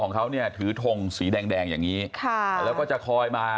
ของเขาเนี่ยถือทงสีแดงแดงอย่างนี้ค่ะแล้วก็จะคอยมา